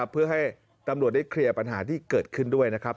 เพื่อให้ตำรวจได้เคลียร์ปัญหาที่เกิดขึ้นด้วยนะครับ